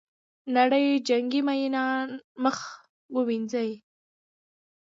نړۍ جنګي میینان مخ ووینځي.